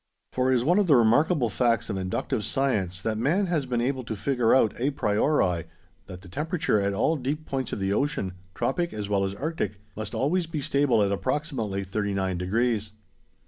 For it is one of the remarkable facts of inductive science that man has been able to figure out a priori that the temperature at all deep points of the ocean, tropic as well as arctic, must always be stable at approximately 39 degrees.